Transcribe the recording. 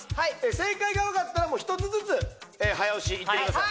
正解が分かったらもう１つずつ早押しいってください